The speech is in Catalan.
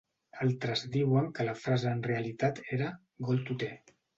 Altres diuen que la frase en realitat era "Gold ho té".